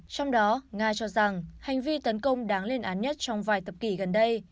trong đó nga cho rằng hành vi tấn công đáng lên án nhất trong vài thập kỷ gần đây